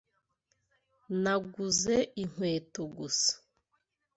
Naguze inkweto gusa.